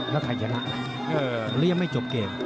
แล้วใครจะหนักละเรียบไม่จบเกม